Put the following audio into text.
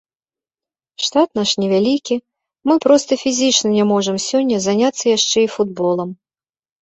Штат наш невялікі, мы проста фізічна не можам сёння заняцца яшчэ і футболам.